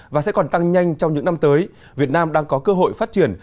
và sẽ còn tăng nhanh trong những năm tới việt nam đang có cơ hội phát triển